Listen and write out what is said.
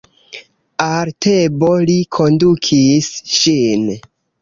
Al Tebo li kondukis ŝin.